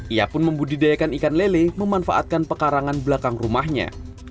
ia pun membudidayakan ikan lele memanfaatkan pekarangan belakang rumahnya